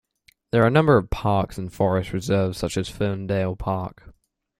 There are a number of parks and forest reserves such as Ferndale Park.